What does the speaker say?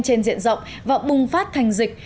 trên diện rộng và bùng phát thành dịch